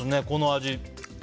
この味。